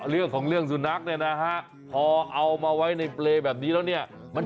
โหมีหน้าล่ะจวดไปเยอะ